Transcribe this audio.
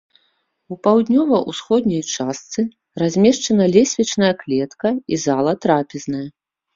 У паўднёва-ўсходняй частцы размешчана лесвічная клетка і зала-трапезная.